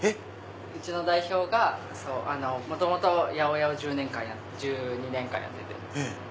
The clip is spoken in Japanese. うちの代表が元々八百屋を１２年間やってて。